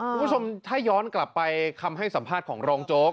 คุณผู้ชมถ้าย้อนกลับไปคำให้สัมภาษณ์ของรองโจ๊ก